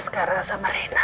sekarang sama rena